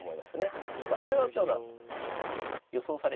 それはただ予想されてると。